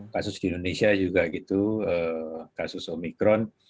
kasus di indonesia juga gitu kasus omikron